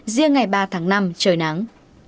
riêng ngày ba tháng năm trời nắng